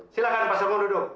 silakan pak sarmun duduk